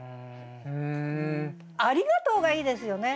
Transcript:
「ありがとう」がいいですよね。